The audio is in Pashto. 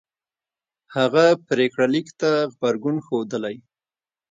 هغه پرېکړه لیک ته غبرګون ښودلی